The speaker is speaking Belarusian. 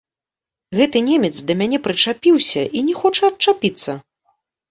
Гэты немец да мяне прычапіўся і не хоча адчапіцца.